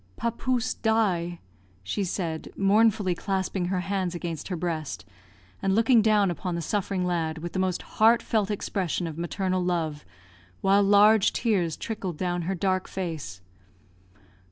"Papouse die," she said, mournfully clasping her hands against her breast, and looking down upon the suffering lad with the most heartfelt expression of maternal love, while large tears trickled down her dark face.